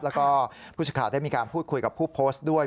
แล้วก็ผู้สิทธิ์ได้มีการพูดคุยกับผู้โพสต์ด้วย